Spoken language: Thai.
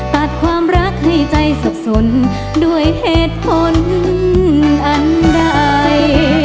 ตัดความรักให้ใจสับสนด้วยเหตุผลอันใด